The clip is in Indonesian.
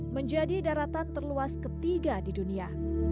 menjadi daratan terluas ketiga di dunia